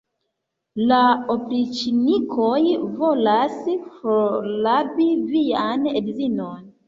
La opriĉnikoj volas forrabi vian edzinon!